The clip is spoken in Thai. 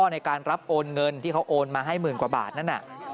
ในการรับโอนเงินที่เขาโอนมาให้หมื่นกว่าบาทนั้น